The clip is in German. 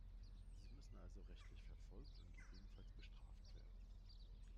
Sie müssen also rechtlich verfolgt und gegebenenfalls bestraft werden.